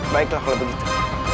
baiklah kalau begitu